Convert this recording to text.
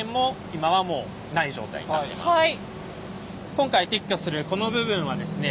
今回撤去するこの部分はですね